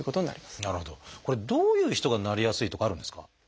これどういう人がなりやすいとかあるんですか？